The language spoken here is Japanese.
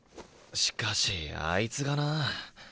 しかしあいつがなあ。